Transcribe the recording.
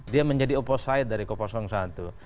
dia menjadi opposite dari satu